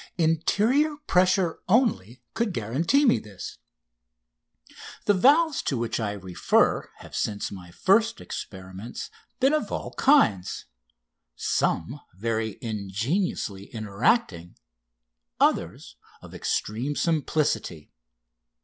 Interior pressure only could guarantee me this. The valves to which I refer have since my first experiments been of all kinds some very ingeniously interacting, others of extreme simplicity.